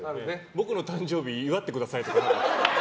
僕の誕生日、祝ってくださいとか。